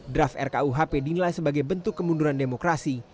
draft rkuhp dinilai sebagai bentuk kemunduran demokrasi